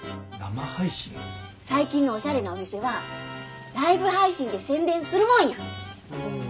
最近のオシャレなお店はライブ配信で宣伝するもんや！